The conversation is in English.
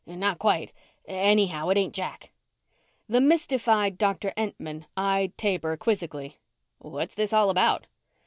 "Not quite. Anyhow, it ain't Jack." The mystified Dr. Entman eyed Taber quizzically. "What's this all about?"